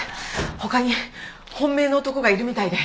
他に本命の男がいるみたいで。